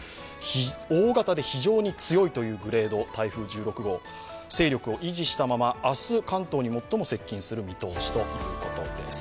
大型で非常に強いというグレード、台風１６号、勢力を維持したまま明日関東に最も接近する見通しだということです。